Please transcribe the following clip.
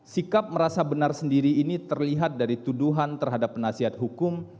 sikap merasa benar sendiri ini terlihat dari tuduhan terhadap penasihat hukum